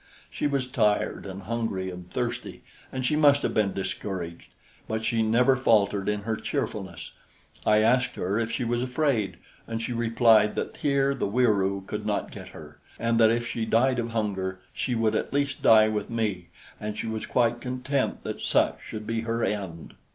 She was tired and hungry and thirsty, and she must have been discouraged; but she never faltered in her cheerfulness. I asked her if she was afraid, and she replied that here the Wieroo could not get her, and that if she died of hunger, she would at least die with me and she was quite content that such should be her end.